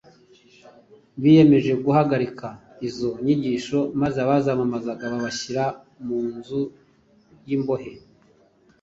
Biyemeje guhagarika izo nyigisho maze abazamamazaga babashyira mu nzu y’imbohe